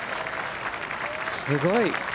すごい。